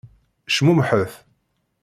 Cmumḥet!